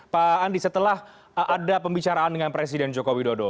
pak andi setelah ada pembicaraan dengan presiden joko widodo